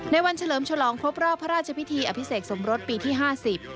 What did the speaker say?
ในวันเฉลิมฉลองพบราวพระราชพิธีอภิเษกสมรสปีที่๕๐